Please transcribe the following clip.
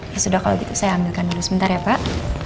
ya sudah kalau gitu saya ambilkan dulu sebentar ya pak